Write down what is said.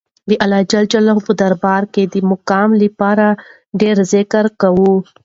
د الله په دربار کې د مقام لپاره ډېر ذکر کوه.